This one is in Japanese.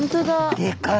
でかい！